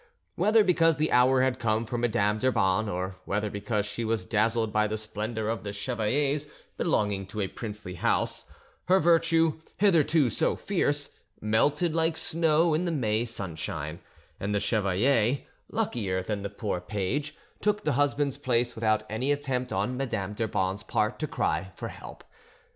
Whether because the hour had come for Madame d'Urban, or whether because she was dazzled by the splendour of the chevalier's belonging to a princely house, her virtue, hitherto so fierce, melted like snow in the May sunshine; and the chevalier, luckier than the poor page, took the husband's place without any attempt on Madame d'Urban's part to cry for help.